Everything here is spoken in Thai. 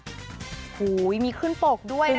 โอ้โหมีขึ้นปกด้วยนะคะ